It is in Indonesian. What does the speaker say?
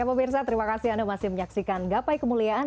ya pemirsa terima kasih anda masih menyaksikan gapai kemuliaan